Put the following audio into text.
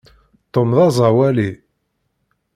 Tom d aẓawali.